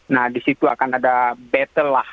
nah disitu akan ada battle lah